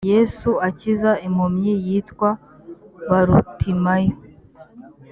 yesu akiza impumyi yitwa barutimayo